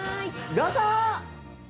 どうぞ！